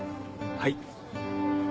はい。